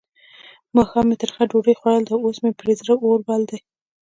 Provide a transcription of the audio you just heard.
ماښام مې ترخه ډوډۍ خوړلې ده؛ اوس مې پر زړه اور بل دی.